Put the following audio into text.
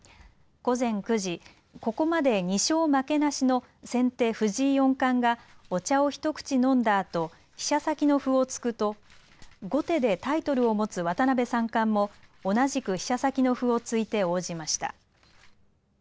午前９時、ここまで２勝負けなしの先手、藤井四冠がお茶を一口飲んだあと、飛車先の歩を突くと後手でタイトルを持つ渡辺三冠も同じく飛車先の歩を突いて応じました。